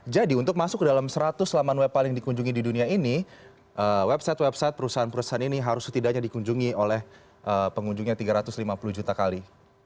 jadi untuk masuk ke dalam seratus laman web paling dikunjungi di dunia ini website website perusahaan perusahaan ini harus setidaknya dikunjungi oleh pengunjungnya tiga ratus lima puluh juta kali